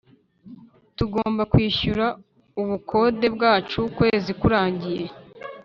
tugomba kwishyura ubukode bwacu ukwezi kurangiye.